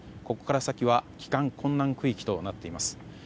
ここから先は帰還困難区域となっています。